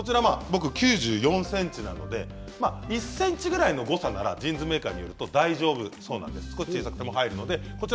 僕、９４ｃｍなので１ｃｍぐらいの誤差ならジーンズメーカーによると大丈夫だそうです。